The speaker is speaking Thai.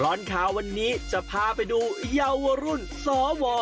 ตลอดข่าววันนี้จะพาไปดูเยาวรุ่นสว